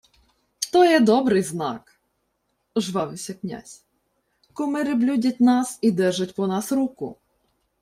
— То є добрий знак, — ожвавився князь. — Кумири блюдять нас і держать по нас руку.